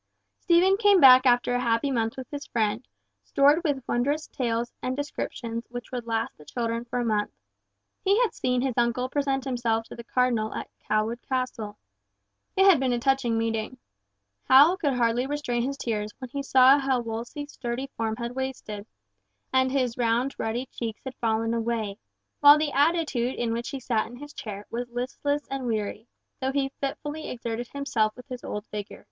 Stephen came back after a happy month with his friend, stored with wondrous tales and descriptions which would last the children for a month. He had seen his uncle present himself to the Cardinal at Cawood Castle. It had been a touching meeting. Hal could hardly restrain his tears when he saw how Wolsey's sturdy form had wasted, and his round ruddy cheeks had fallen away, while the attitude in which he sat in his chair was listless and weary, though he fitfully exerted himself with his old vigour.